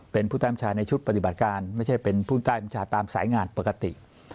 เป็นผู้ตามชาในชุดปฏิบัติการไม่ใช่เป็นผู้ใต้บัญชาตามสายงานปกติ